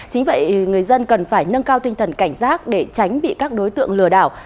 chính vậy người dân cần phải nâng cao tinh thần cảnh giác để tránh bị các đối tượng lừa đảo